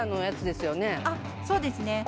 そうですね。